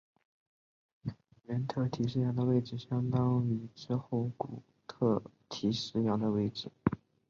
原特提斯洋的位置相当于之后古特提斯洋的位置。